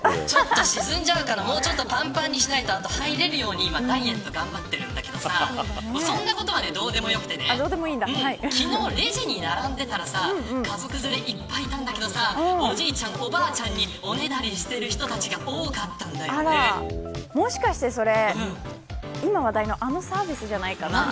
沈んじゃうからもうちょっとぱんぱんにしないようにあと、入れるようにダイエット頑張っているんだけどそんなことはどうでもよくて昨日レジに並んでいたら家族連れ、いっぱいいたんだけどおじいちゃん、おばあちゃんにおねだりしている人たちがもしかしてそれ今話題のあのサービスじゃないかな。